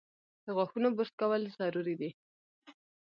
د غاښونو برس کول ضروري دي۔